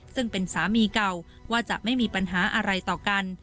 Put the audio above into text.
ซึ่งเป็นสามีเก่าว่าจะไม่มีปัญหาอะไรต่อกัน